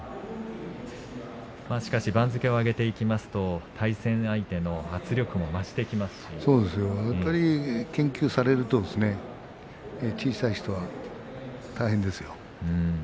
しかし、番付を上げていきますと対戦相手の圧力も増してきますしやっぱり研究されると小さい人は大変ですよ。